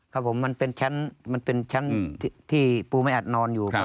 ครับผมมันเป็นชั้นที่ปูไม่อัดนอนอยู่ครับ